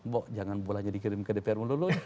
bok jangan bolanya dikirim ke dpr dulu